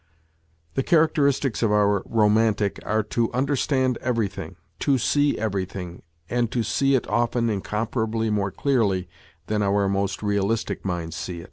The characteristics of our romantic are to understand everything, lo see everything and to see it often incomparably more dearly than our most realistic minds see.